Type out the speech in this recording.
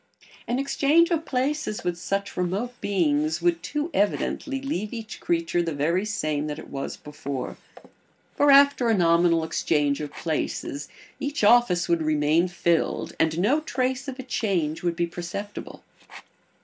An exchange of places with such remote beings would too evidently leave each creature the very same that it was before; for after a nominal exchange of places each office would remain filled and no trace of a change would be perceptible.